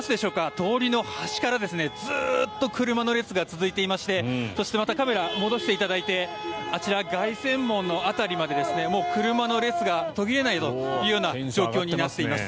通りの端からずっと車の列が続いていましてそして、またカメラを戻していただいてあちら、凱旋門の辺りまでもう車の列が途切れないという状況になっています。